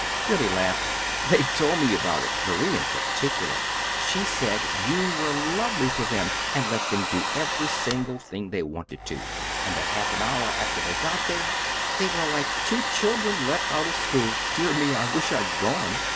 Billy laughed. "They told me about it Marie in particular. She said you were lovely to them, and let them do every single thing they wanted to; and that half an hour after they got there they were like two children let out of school. Dear me, I wish I'd gone.